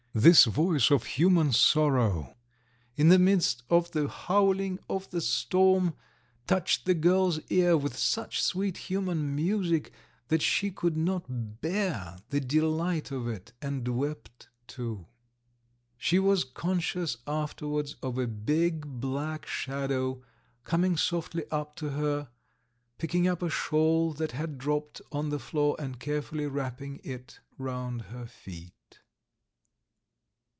This voice of human sorrow, in the midst of the howling of the storm, touched the girl's ear with such sweet human music that she could not bear the delight of it, and wept too. She was conscious afterwards of a big, black shadow coming softly up to her, picking up a shawl that had dropped on to the floor and carefully wrapping it round her feet.